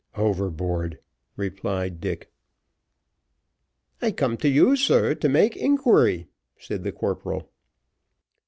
"Overboard," replied Dick. "I come to you, sir, to make inquiry," said the corporal.